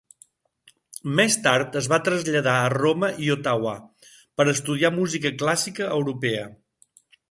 Més tard es va traslladar a Roma i Ottawa per estudiar música clàssica europea.